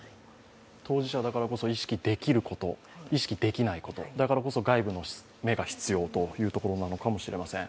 当事者だからこそ意識できること、できないこと、だからこそ外部の目が必要というところなのかもしれません。